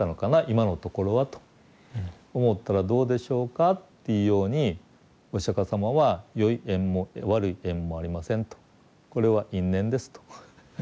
今のところはと思ったらどうでしょうかっていうようにお釈迦様は良い縁も悪い縁もありませんとこれは因縁ですと。